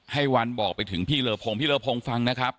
ให้วันบอกไปถึงพี่เลอพงพี่เลอพงฟังนะครับ